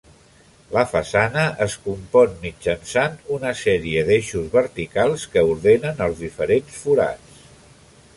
La façana es compon mitjançant una sèrie d'eixos verticals que ordenen els diferents forats.